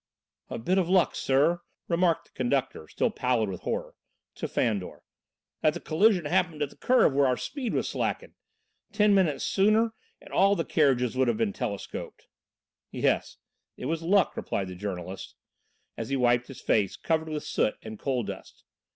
"A bit of luck, sir," remarked the conductor, still pallid with horror, to Fandor, "that the collision happened at the curve where our speed was slackened. Ten minutes sooner and all the carriages would have been telescoped." "Yes, it was luck," replied the journalist, as he wiped his face, covered with soot and coal dust.